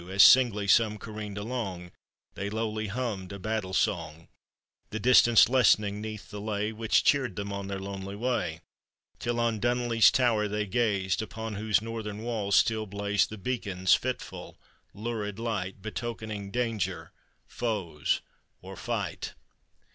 As singly some careered along, They lowly hummed a battle song, The distance lessening 'neath the lay, Which cheered them on their lonely way, Till on Dunolly's tower they gazed, Upon whose northern walls still blazed The beacon's fitful, lurid light, Betokening danger, foes, or fight.